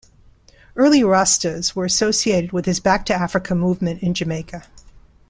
Early Rastas were associated with his Back-to-Africa movement in Jamaica.